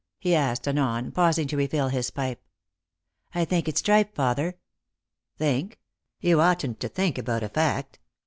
he asked anon, pausing to refill hia pipe. " I think it's tripe, father.' " Think ! You oughtn't to think about a fact.